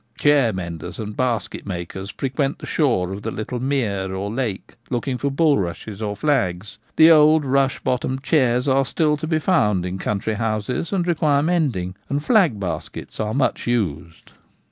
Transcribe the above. Chair menders and basket makers frequent the shore of the little mere or lake looking for bulrushes or flags : the old rush bottomed chairs are still to be found in country houses, and require mending ; and flag baskets are much used.